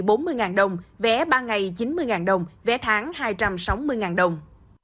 vé một ngày bốn mươi đồng vé ba ngày chín mươi đồng vé tháng hai trăm sáu mươi đồng